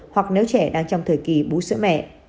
hoặc nếu trẻ đang trong thời kỳ bú sữa mẹ